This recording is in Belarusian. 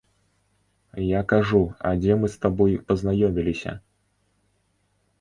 Я кажу, а дзе мы з табой пазнаёміліся?